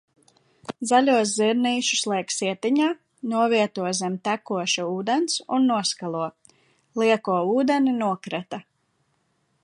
Zaļos zirnīšus liek sietiņā, novieto zem tekoša ūdens un noskalo, lieko ūdeni nokrata.